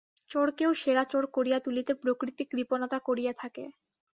চোরকেও সেরা চোর করিয়া তুলিতে প্রকৃতি কৃপণতা করিয়া থাকে।